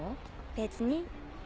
別に。